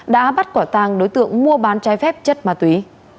đã bắt quả tàng đối tượng mua bán trái phép chất ma túy